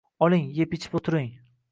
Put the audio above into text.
Oling, yeb-ichib turing.